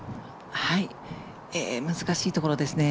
難しいところですね。